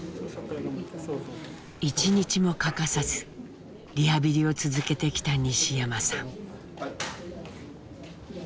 １日も欠かさずリハビリを続けてきた西山さん。